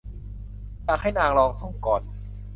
อยากให้นางลองส่งก่อน